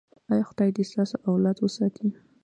ایا خدای دې ستاسو اولاد وساتي؟